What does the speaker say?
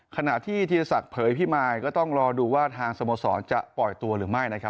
ขณะที่ธีรศักดิ์เผยพิมายก็ต้องรอดูว่าทางสโมสรจะปล่อยตัวหรือไม่นะครับ